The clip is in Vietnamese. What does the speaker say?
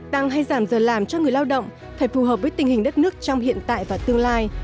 tăng hay giảm giờ làm cho người lao động phải phù hợp với tình hình đất nước trong hiện tại và tương lai